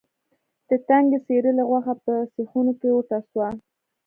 د تنکي سېرلي غوښه په سیخونو کې وټسوه.